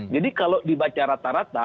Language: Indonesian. jadi kalau dibaca rata rata